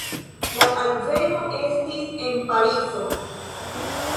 La alveno estis en Parizo.